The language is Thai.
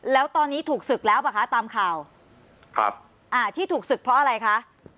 แล้วตอนนี้ถูกศึกแล้วป่ะคะตามข่าวครับอ่าที่ถูกศึกเพราะอะไรคะ